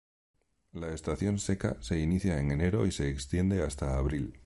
La estación seca se inicia en enero y se extiende hasta abril.